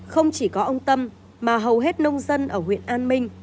không chỉ có ông tâm mà hầu hết nông dân ở huyện an minh